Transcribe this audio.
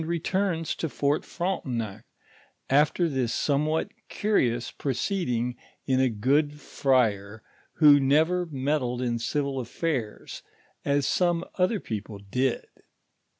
rns to Fort Frontennc, after this somewhat curious proceeding in a good friar who never meddled in civil affairs, as some other people did.